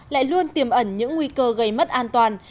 lại luôn tiềm ẩn những nguy cơ gây mất an toàn